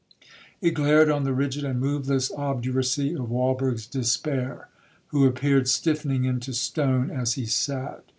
It glared on the rigid and moveless obduracy of Walberg's despair, who appeared stiffening into stone as he sat.